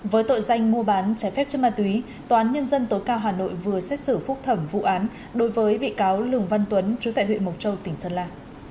với tội danh mua bán trái phép chất ma túy toán nhân dân tổ cao hà nội vừa xét xử phúc thẩm vụ án đối với bị cáo lường văn tuấn trú tại huyện mộc châu tỉnh sơn la